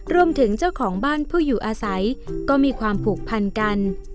เจ้าของบ้านผู้อยู่อาศัยก็มีความผูกพันกัน